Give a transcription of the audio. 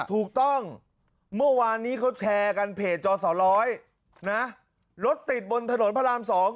ถูกต้องเมื่อวานนี้เขาแชร์กันเพจจสร้อยนะรถติดบนถนนพระรามสอง